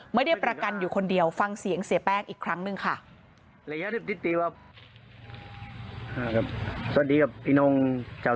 ไม่ได้ประกันอยู่คนเดียวฟังเสียงเสียแป้งอีกครั้งหนึ่งค่ะ